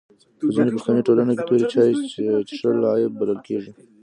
په ځینو پښتني ټولنو کي توري چای چیښل عیب بلل کیږي.